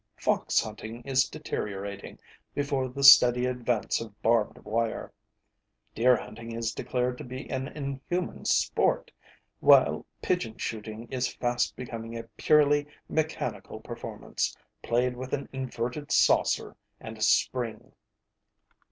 Fox hunting is deteriorating before the steady advance of barbed wire; deer hunting is declared to be an inhuman sport, while pigeon shooting is fast becoming a purely mechanical performance, played with an inverted saucer and a spring."